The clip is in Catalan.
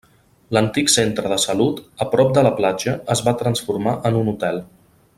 L'antic centre de salut a prop de la platja es va transformar en un hotel.